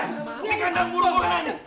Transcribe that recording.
ini kandang burung buah kena